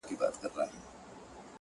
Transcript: د ژوند خوارۍ كي يك تنها پرېږدې’